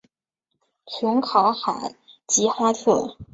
琼考海吉哈特。